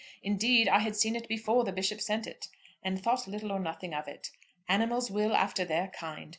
Indeed I had seen it before the Bishop sent it, and thought little or nothing of it. Animals will after their kind.